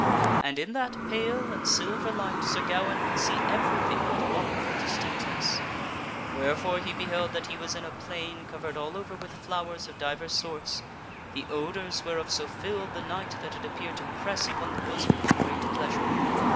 And in that pale and silver light Sir Gawaine could see everything with wonderful distinctness ; wherefore he beheld that he was in a plain covered all over with flowers of divers sorts, the odors whereof so filled the night that it appeared to press upon the bosom with a great pleasure.